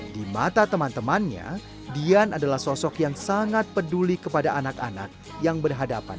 di mata teman temannya dian adalah sosok yang sangat peduli kepada anak anak yang berhadapan